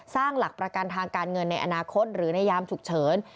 การการเงินในอนาคตหรือในยามฉุกเฉิน